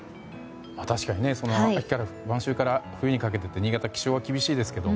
確かに晩秋から冬にかけて新潟、気象は厳しいですけど。